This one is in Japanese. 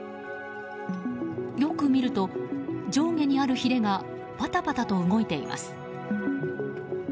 よく見ると、上下にあるひれがパタパタと動いています。